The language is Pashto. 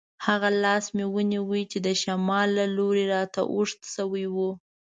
هغه لاس مې ونیو چې د شمال له لوري راته اوږد شوی وو.